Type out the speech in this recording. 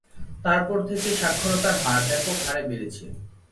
তারপর থেকে স্বাক্ষরতার হার ব্যপক হারে বেড়েছে।